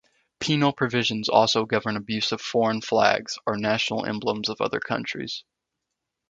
Penal provisions also govern abuse of foreign flags or national emblems of other countries.